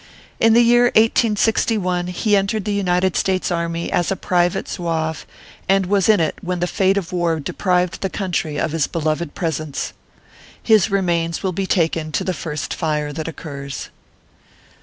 In the year 1861, he entered the United States army as a private Zouave, and was in it when the fate of war deprived the country of his beloved presence. His remains will be taken to the first fire that occurs.